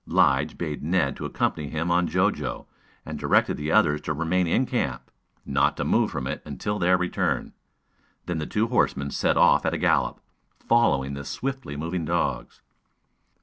Lige bade Ned to accompany him on Jo Jo, and directed the others to remain in camp not to move from it until their return. Then the two horsemen set off at a gallop, following the swiftly moving dogs.